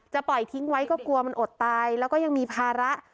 ปล่อยทิ้งไว้ก็กลัวมันอดตายแล้วก็ยังมีภาระ